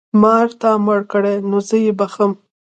مار تا مړ کړی نو زه یې بښم.